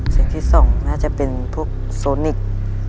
ที่สองน่าจะเป็นพวกโซนิก